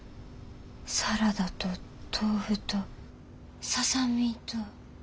サラダと豆腐とササミと。